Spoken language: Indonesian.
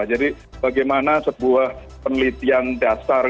jadi bagaimana sebuah penelitian dasar